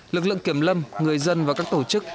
lực lượng kiểm lâm người dân và các tổ chức